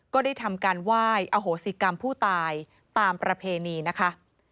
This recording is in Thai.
ก็ได้ทำการไหว้อโหสิกรรมผู้ตายตามประเพณีนะคะ